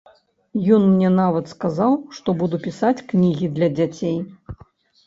Ён мне нават сказаў, што буду пісаць кнігі для дзяцей.